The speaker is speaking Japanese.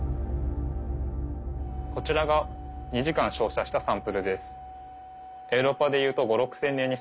こちらが２時間照射したサンプルです。